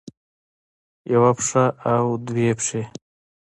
يوه پښه او دوه پښې